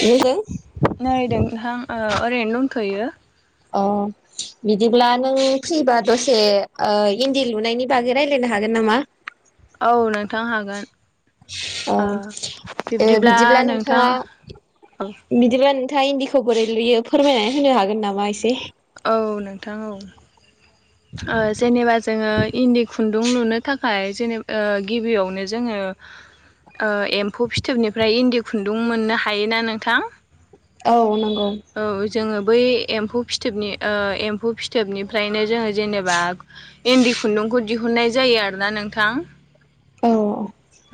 अ नै नोंथां ओ ओरैनो दंथ'यो अ बिदिब्ला नों फ्रिबा दसे इन्दि लुनायनि बागै रायज्लायनो हागोन गोन नामा? औ नोंथां हागोन औ ओ ओ बिब्दिब्ला बिदिब्ला नोंथां नोंथाङा बिदिब्ला नोंथाङा इन्दिखौ बोरै लुयो फोरमायनानै होनो हागोन नामा एसे? औ नोंथां औ ओ जेनेबा जोङो इन्दि खुन्दुं लुनो थाखाय जेनेबा ओ गिबियावनो जोङो एम्फौ फिथोबनिफ्राय इन्दि खुन्दुं मोननो हायोना नोंथां? औ नंगौ औ जोङो बै एम्फौ फिथोबनि एम्फौ फिथोबनिफ्रायनो जोङो जेनेबा इन्दि खुन्दुंखौ दिहुननाय जायो आरो ना नोंथां औ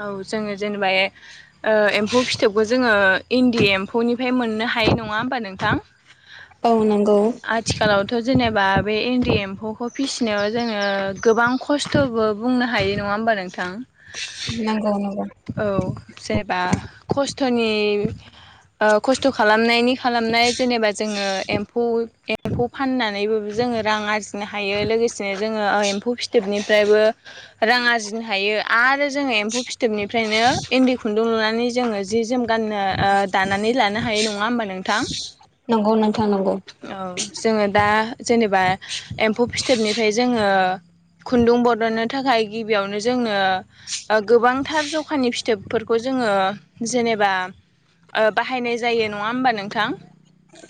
औ जोङो जेनेबा ओ एम्फौ फिथोबखौ जोङो इन्दि एम्फौनिफ्राय मोननो हायो नङा होमबा नोंथां औ नंगौ थ' जेनेबा बे इन्दि एम्फौ खौ फिसिनायाव जोङो गोबां खस्थ'बो बुंनो हायो नङा होमबा नोंथां नंगौ नंगौ औ जेनेबा खस्थ'नि खस्थ' खालामनायनि खालामनाय जेनेबा जोङो एम्फौ एम्फौ फाननानैबो जोङो रां आरजिनो हायो लोगोसेनो जोङो एम्फौ फिथोबनिफ्रायबो रां आरजिनो हायो आरो जोङो एम्फौ फिथोबनि फ्रायनो इन्दि खुन्दुं लुनानै जोङो जि जोम गाननो ओ दानानै ला नो होयो। नङा होमबा नोंथां? नंगौ नोंथां नंगौ औ जोङो दा जेनेबा एम्फौ फिथोबनिफाय जोङो खुन्दुं बदननो थाखाय गिबियावनो जोंनो ओ गोबांथार जखानि फिथोबफोरखौ जो जोङो जेनेबा ओ बाहायनाय जायो। नङा होमबा नोंथां?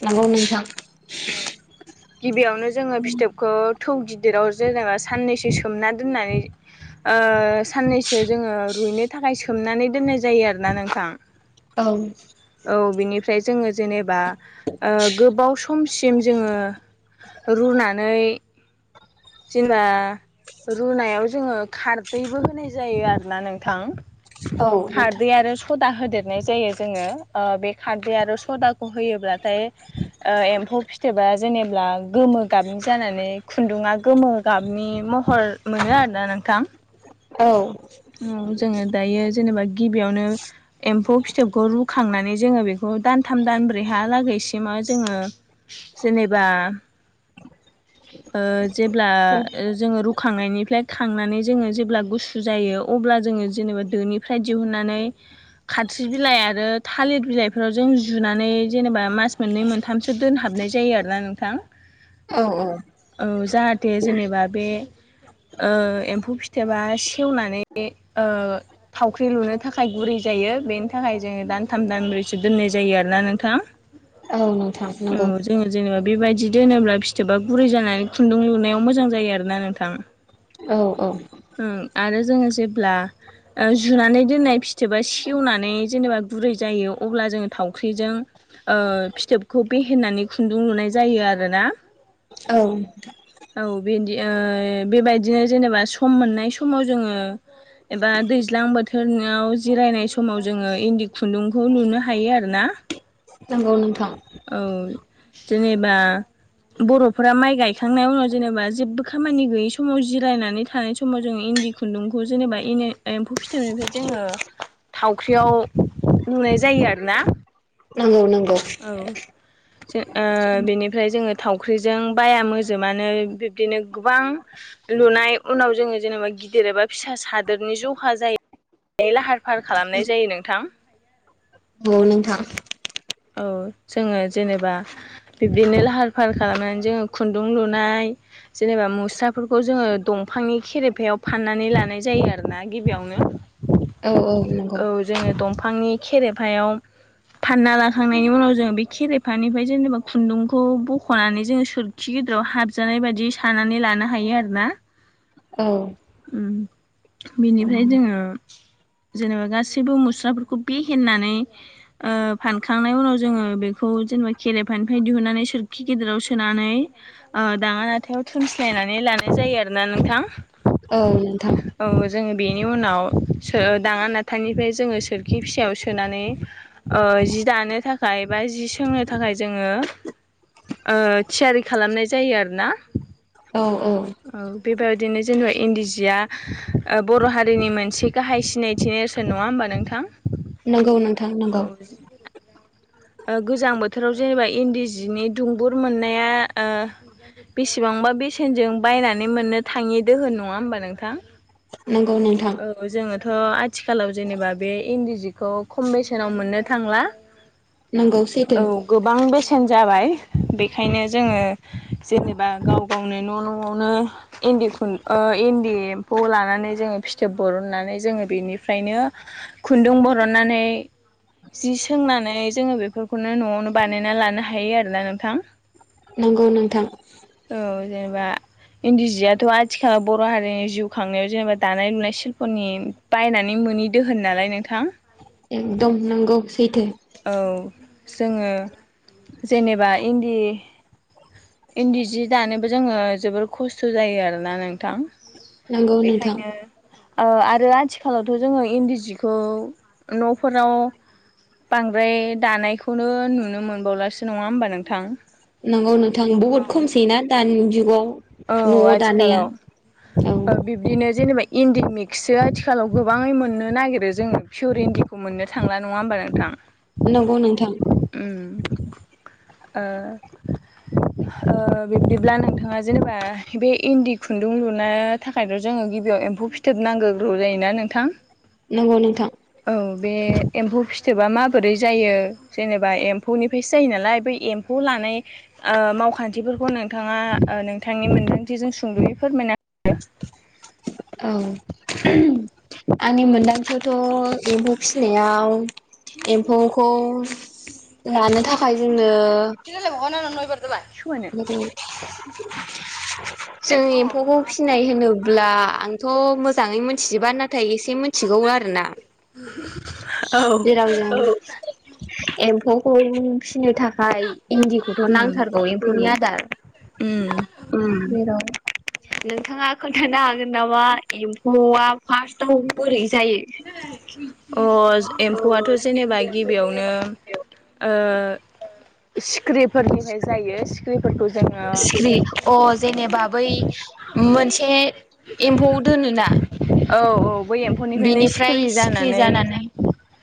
नंगौ नोंथां। औ गिबियावनो जोङो फिथोबखौ थौ गिदिराव जेनेबा साननैसो सोमना दोननानै ओ सान्नैसो जोङो रुइनो थाखाय सोमनानै दोननाय जायो आरोना नोंथां। औ। फ्राय जोङो जेनेबा ओ गोबाव समसिम जोंङो रुना नै जेनबा रुनायाव जोङो खारदैबो होनाय जायो आरोना नोंथां। औ नोंथां खारदै आरो सदा होदेद नाय जायो जोंङो। ओ बे खारदै आरो सदाखौ होयोब्लाथाय ओ एम्फौ फिथोबा आ जेनेब्ला गोमो गाबनि जानानै खुन्दुङा गोमो गाबनि महर मोनो आरोना नोंथां। औ उम जोङो दायो जेनेबा गिबियावनो एम्फौ फिथोबखौ रुखांनानै जोङो बेखौ दानथाम दा नब्रैहा लागैसिमाव जोङो जेनेबा [inaudible] ओ जेब्ला ओ जोङो रुखांनायनिफ्लाय खांनानै जोङो जेब्ला गुसु जायो अब्ला जोङो जेनेबा दोनिफ्राय दिहुननानै खाथ्रि बिलाइ आरो थालिद बिलाइफोराव जों उ जुनानै जेनेबा मास मोननै मोनथामसो दोनहाबनाय जायो आरोना नोंथां। औ औ। औ जाहाथे जेनेबा ओ बे एम्फौ फिथोबा सेवनानै बे ओ थावख्रि लुनो थाखाय गुरै जायो बेनि थाखाय जोङो दानथाम दानब्रैसो दोननाय जायो आरोना नोंथां। औ नोंथां औ नंगौ। जोङो जेनेबा बेबायदि दोनोब्ला फिथोबा गुरै जानानै खुन्दुं लुनायाव मोजां जायो आरो ना नोंथां। औ औ। ओं आरो जोङो जेब्ला ओ जुनानै दोननाय फिथोबा सेवनानै जेनेबा गुरै जायो अब्ला जोङो थावख्रिजों ओ फिथोबखौ बेहेनानै खुन्दुं लुनाय जायो आरोना। औ। औ बेन्दि ओ बेबायदिनो जेनेबा सम मोननाय समाव जोङो एबा दैज्लां बोथोरनङाव जिरायनाय समाव जोङो इन्दि खुन्दुंखौ नुनो हायो आर ना नोंगौ नोंथां। जेनेबा बर'फोरा माइ गायखांनाय उनाव जेनेबा जेबो खामानि गैयि समाव जिरायनानै थानाय समाव जों इन इन्दि खुन्दुंखौ जेनेबा इन ए एम्फौ फिथोबनिफ्राय जोङो थावख्रियाव लुनाय जायो आरो ना। नोंगौ नों औ। जे ओ बेनिफ्राय जोङो थावख्रिजों बाया मोजोमानो बिब्दिनो गोबां लुनाय उनाव जोङो जेनेबा गिदिर एबा फिसा सादोरनि जखा जाय ओइ लाहार फाहार खालामनाय जायो नोंथां। औ नोंथां। औ जोङो जेनेबा बिब्दिनो लाहार फाहार खालामनानै जोङो खुन्दुं लुनाय। जेनेबा मुस्राफोरखौ जोङो दंफांनि खेरेफायाव फाननानै लानाय जायो आरो ना गिबियावनो। औ औ नंगौ। बिफांनि खेरेफायाव फानना ला खांनायनि उनाव जोङो बे खेरेफानिफाय जेनेबा खुन्दुंखौ बख'नानै जोङो सोरखि गिदिराव हाबजानाय बायदि सानानै लानो हायो आरोना। औ ओम बिनिफ्राय जोङो। जेनेबा गासैबो मुस्राफोरखौ बेहेन्नानै ओ फानखांनाय उनाव जोङो बेखौ। खौ जेनेबा खेरेफानिफाय दिहुननानै सोरखि गेदेराव सोनानै ओ दाङा नाथायाव थुनस्लायनानै लानाय जायो आरोना नोंथां। औ नोंथां। औ जोङो बेनि उनाव सो दाङा नाथानिफाय जोङो सोरखि फिसायाव सोनानै ओ जि दानो थाखाय बा जि सोंनो थाखाय जोङो। ओ थियारि खालामनाय जायो आरो ना। अ' बेबायदिनो जेनेबा इन्दि जिया ओ बर' हारिनि मोनसे गाहाय सिनायथि नेरसोन नङा होमबा? नोंथां। नंगौ नोंथां नंगौ। औ ओ गोजां बोथोराव जेनेबा इन्दि जिनि दुंबुर मोननाया ओ बेसेबांबा बेसेनजों बायनानै मोननो थाङि दोहोन नङा होमबा नोंथां? नंगौ नोंथां। ओ आथिखालाव जेनेबा बे इन्दि जिखौ खम बेसेनाव मोननो थांला। नंगौ सैथो औ गोबां बेसे न जाबाय बेखायनो जोङो जेनेबा गाव गावनो न' न'आवनो इन्दि खुन्द ओ इन्दि एम्फौ लानानै जोंङो फि थोब बरननानै जोङो बेनिफ्रायनो खुन्दुं बरननानै। जि सोंनानै जोङो बेफोरखौनो न'आवनो बानायना लानो हायो आरो ना नोंथां। नंगौ नोंथां। औ जेनेबा इन्दि जियाथ' आथिखाल बर' हारिनि जिउ खांनायाव जेनेबा दानाय-लुनाय सिल्प'नि बायनानै मोनि दोहोन नालाय नोंथां। एकदम नोंगौ सैथो। औ जोङो जेनेबा इन्दि इन्दि जि दानोबो जोङो जोबोर खस्थ' जायो आरोना नोंथां। नोंगौ नोथां। बेखायनो ओ आरो आथिखालावथ' जोङो इन्दि जिखौ न'फोराव बांद्राय दानायखौनो नुनो मोनबावलासो नङा होमबा नोंथां। नंगौ नोंथां बुहुद खमसै ना दानि जुगाव औ न'आव दानाया आथिखालाव औ। ओ बिब्दिनो जेनेबा इन्दि मिक्सो आथिखालाव गोबाङै मोननो नागिरो जोङो पियर इन्दिखौ मोननो थांला नङा हो मबा नोंथां। नंगौ नोंथां। उम ओ ओ बिब्दिब्ला नोंथाङा जेनेबा बे इन्दि खुन्दुं लुनो थाखायथ' जोङो गिबियाव एम्फौ फिथोब नांगोग्रौ जायोना नों नोंथां। नोंगौ नोंथां। औ बे एम्फौ फिथोबा माबोरै जायो जेनेबा एम्फौनिफ्रायसो जायो नालाय बै एम्फौ ला नाय ओ मावखान्थिफोरखौ नोंथाङा ओ थांनि मोन्दांथिजों सुंद'यै फोरमायना होदो। औ [unintelligible] थ' एम्फौ फिनायाव एम्फौ खौ लानो थाखाय जोंनो औ [unintelligible] जों एम्फौखौ फिनाय होनोब्ला आंथ' मोज जाङै मोनथिजोबा नाथाय एसे मोनथिगौ आरोना। जेराव जों एम्फौखौ फिसिनो था खाय इन्दिखौथ' उम नांथारगौ एमफौनि आदार उम उम जेराव नोंथाङा खोन्थानो हागोन नामा एम्फौआ फार्स्टआव बोरै जायो? अ एमफौआथ' जेनेबा गिबियावनो ओ सि ख्रिफोरनिफाय जायो। सिख्रिफोरखौ जोङो सिखिरि अ जेनेबा बै मोनसे एमफौ दोनोना औ बै एमफौनिफ्रायनो सिखिरि जानानै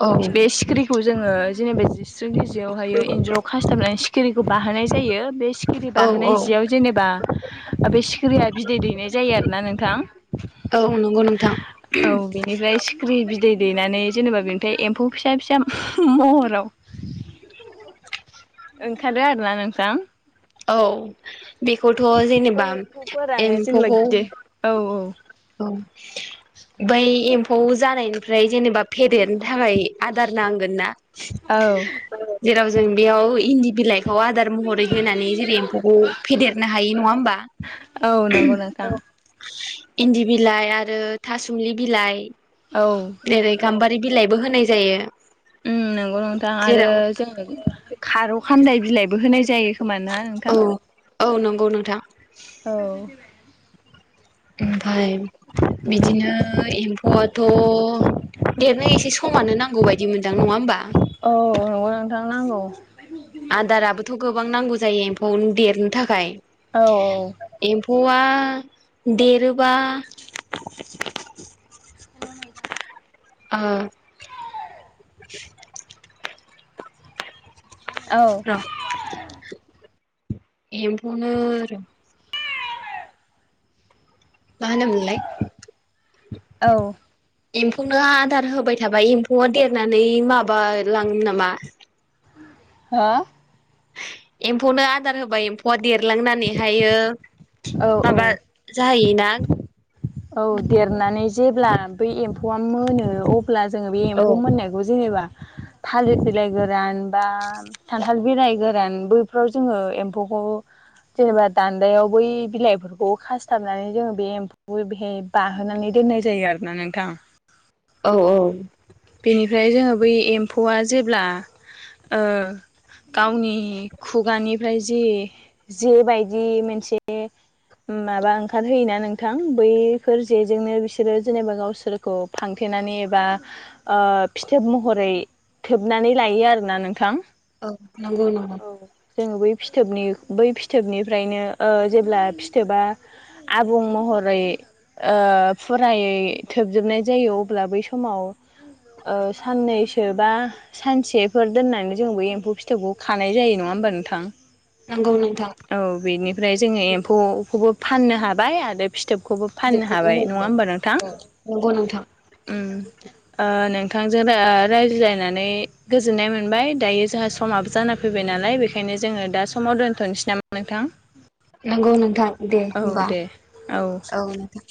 औ बे सिखिरिखौ जोङो जेनेबा जिस जोंनि जियावहायो इन्जुराव खास्थाबनानै सिखिरिखौ बाहोनाय जायो बे सिखिरि औ औ बाहोनाय जियाव जेनेबा आ बे सिखिरिया बिदै दैनाय जायो आरोना नोंथां। औ नंगौ नोंथां औ बिनिफ्राय सिख्रि बिद दै दैनानै जेनेबा बेनिफाय एमफौ फिसा फिसा महराव ओंखारो आरोना नोंथां। औ बेखौथ' बै जेनेबा एम्फौफोरानो जेनेबा एम्फौखौ गिदिर औ औ औ बै एम्फौ जानायनिफ्राय जेनेबा फेदेदनो थाखाय आदार नांगोन ना। औ जेराव जों बेयाव इन्दि बिलाइखौ आदार महरै होनानै जेरै एमफौखौ फेदेरनो हाय नङा होमबा? औ नोंगौ नोंथां। इन्दि बिलाइ आरो थासुमलि बिलाइ औ जेरै गाम्बारि बिलाइबो होनाय जायो। उम नोंगौ नोंथां आरो जेराव जों खारौ खानदाय बिलाइ बो होनाय जायो खोमा ना औ नोंथां? औ नंगौ नोंथां औ। ओमफाय बिदिनो एम्फौआथ' देरनो एसे समानो नांगौ बायदि मोनदां। नङा होमबा? औ नोंगौ नोंथां नांगौ। आदाराबोथ' गोबां नांगौ जायो एम्फौनो देरनो थाखाय। औ औ। फौवा देरोबा [inaudible] आ [inaudible] औ र' एम्फौनो र' मा होनोमोनलाय? औ। एम्फौनो आदार होबाय थाबा एम्फौआ देरनानै माबा लाङोमोन नामा? हा एम्फौनो आदार होबाय एम्फौआ देरलांनानैहायो औ माबा औ जाहैयो ना औ देरनानै जेब्ला बै एम्फौआ मोनो अ ब्ला जोङो बे औ एम्फौ मोननायखौ जेनेबा [inaudible] थालिद बिलाइ गोरान बा खान्थाल बिलाइ गोरान बैफोराव जोङो एम्फौखौ जेनेबा दान्दायाव बै बिलाइफोरखौ खासथाबनानै जोङो बे एम्फौ [unintelligible] बेहाय बाहोनानै दोननाय जायो आरोना नोंथां। औ औ। बिनिफ्राय जोङो बै एम्फौआ जेब्ला ओ गावनि खुगानिफ्राय जि जो बायदि मेनसे माबा ओंखारहोयोना नोंथां बैफोर जेजोंनो बिसोरो जेनेबा गावसोरखौ फांथे नानै एबा ओ फिथोब महरै थोबनानै लायो आरोना नोंथां औ नंगौ नंगौ जोङो बै फिथोबनि बै फिथोबनिफ्रायनो ओ जेब्ला फिथोबा आबुं म हरै ओ फुरायै थोबजोबनाय जायो अब्ला बै समाव [inaudible] ओ साननैसो बा सानसेफोर दोननानै जों बे एम्फौ फिथोबखौ खानाय जायो नङा होमबा नों थां नंगौ नोंथां औ बेनिफ्राय जोङो एम्फौखौबो फाननो हाबाय आरो फिथोबखौबो फाननो फिथोबखौबो हाबाय नङा मोनबाय होमबा नोंथां औ नंगौ नोंथां उम ओ नोंथांजों रायज्लायनानै गोजोननाय मोनबाय दायो जोंहा समाबो जाना फैबाय ना नालाय बेनिखायनो जोङो दा समाव दोन्थ'नोसै नामा नोंथां नंगौ नोंथां दे औ होमबा दे औ नोंथां